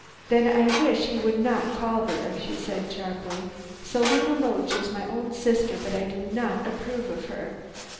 "Then I wish he would not call there," she said sharply. "Selina Loach is my own sister, but I do not approve of her."